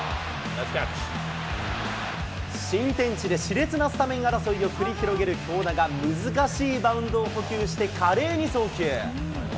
新天地でしれつなスタメン争いを繰り広げる京田が、難しいバウンドを捕球して、華麗に送球。